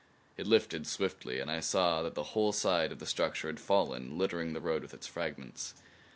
It lifted swiftly, and I saw that the whole side of the structure had fallen, littering the road with its fragments.